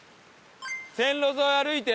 線路沿い歩いて。